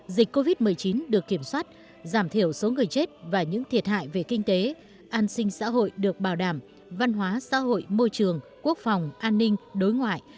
dịch covid một mươi chín được kiểm soát giảm thiểu số người chết và những thiệt hại về kinh tế an sinh xã hội được bảo đảm văn hóa xã hội môi trường quốc phòng an ninh đối ngoại